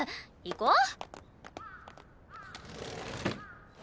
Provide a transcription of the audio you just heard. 行こう。